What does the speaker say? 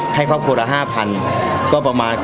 ให้ครอบครัวละ๕๐๐๐ก็ประมาณ